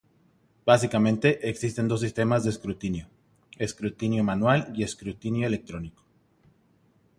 Básicamente existen dos sistemas de escrutinio: escrutinio manual y escrutinio electrónico.